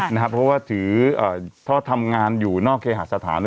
นะครับเพราะว่าถือเถอะทำงานอยู่นอกเขหาสถานะ